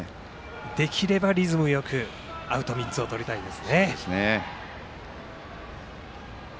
できればリズムよくアウト３つをとりたいところ。